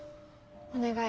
お願い。